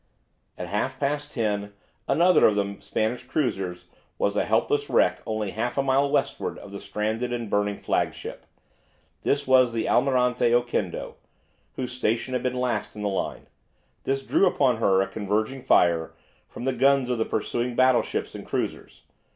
At half past ten another of the Spanish cruisers was a helpless wreck only half a mile westward of the stranded and burning flagship. This was the "Almirante Oquendo," whose station had been last in the line. This drew upon her a converging fire from the guns of the pursuing battleships and cruisers.